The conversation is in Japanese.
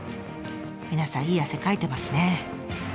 皆さんいい汗かいてますね。